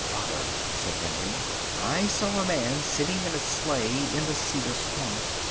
"Father," said Henry, "I saw a man sitting in a sleigh in the cedar swamp.